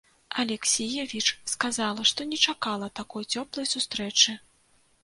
Алексіевіч сказала, што не чакала такой цёплай сустрэчы.